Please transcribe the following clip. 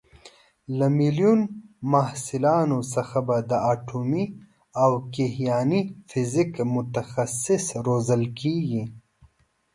له میلیون محصلانو څخه به د اټومي او کیهاني فیزیک متخصص روزل کېږي.